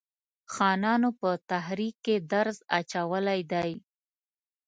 خانانو په تحریک کې درز اچولی دی.